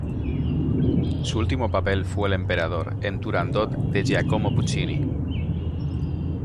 Su último papel fue el "Emperador" en Turandot de Giacomo Puccini.